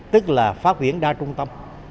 tức là phát huyển đa trung tâm